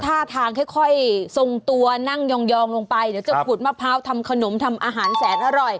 ท่าทางค่อยทรงตัวนั่งยองลงไปเดี๋ยวจะขุดมะพร้าวทำขนมทำอาหารแสนอร่อย